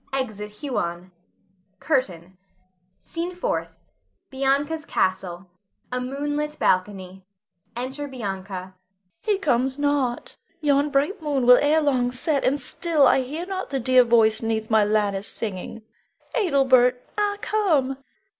[Exit Huon. CURTAIN. SCENE FOURTH. [Bianca's castle. A moonlit balcony. Enter Bianca.] Bianca. He comes not. Yon bright moon will ere long set, and still I hear not the dear voice 'neath my lattice singing. Adelbert! Ah, come!